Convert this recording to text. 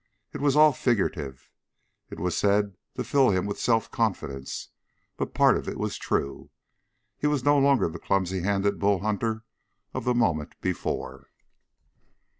It was all figurative. It was said to fill him with self confidence, but part of it was true. He was no longer the clumsy handed Bull Hunter of the moment before.